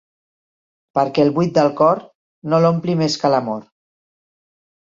Perquè el buit del cor no l'ompli més que l'amor.